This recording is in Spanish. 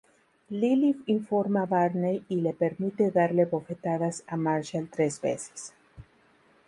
Lily informa Barney y le permite darle bofetadas a Marshall tres veces.